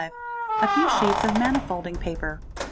A few sheets of manifolding paper.